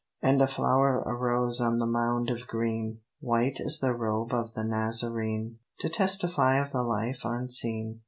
And a flower arose on the mound of green, White as the robe of the Nazarene; To testify of the life unseen.